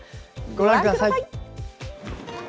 ご覧ください！